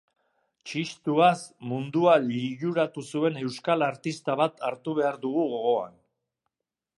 Txistuaz mundua liluratu zuen euskal artista bat hartu behar dugu gogoan.